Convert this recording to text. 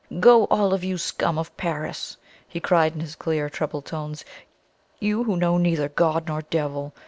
"Go, all of you, scum of Paris!" he cried in his clear treble tones "you who know neither God nor devil!